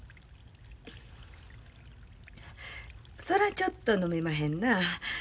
そらちょっとのめまへんな。